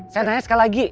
saya tanya sekali lagi